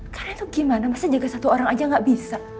kalian tuh gimana masa jaga satu orang aja gak bisa